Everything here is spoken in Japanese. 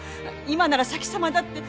今なら先様だって。